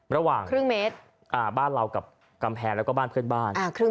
ระหว่างครึ่งเมตรบ้านเรากับกำแพงแล้วก็บ้านเพื่อนบ้าน